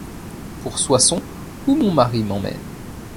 Pour Soissons, où mon mari m’emmène.